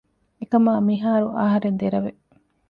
އެކަމާ މިހާރު އަހަރެން ދެރަވެ